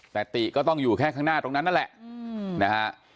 แต่ติก็ต้องอยู่แค่ข้างหน้าตรงนั้นนั่นแหละนะฮะ